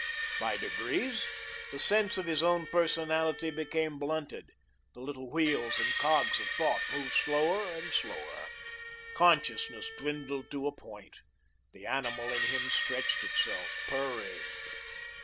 By degrees, the sense of his own personality became blunted, the little wheels and cogs of thought moved slower and slower; consciousness dwindled to a point, the animal in him stretched itself, purring.